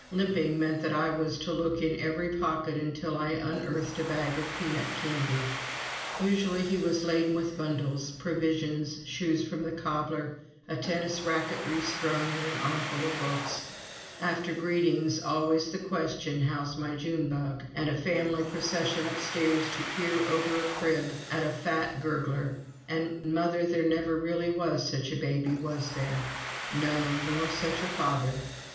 Limping meant that I was to look in every pocket until I unearthed a bag of peanut candy. Usually he was laden with bundles provisions, shoes from the cobbler, a tennis racket restrung, and an armful of books. After greetings, always the question, "How's my June Bug?" and a family procession upstairs to peer over a crib at a fat gurgler. And "Mother, there never really was such a baby, was there?" No, nor such a father.